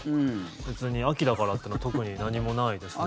別に秋だからというのは特に何もないですね。